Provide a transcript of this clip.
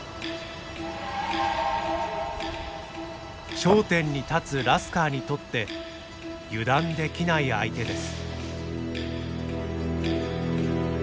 頂点に立つラスカーにとって油断できない相手です。